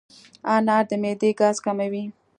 انار د معدې ګاز کموي.